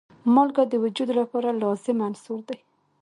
مالګه د وجود لپاره لازم عنصر دی.